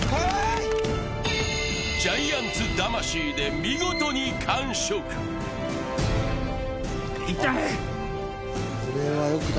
ジャイアンツ魂で見事に完食。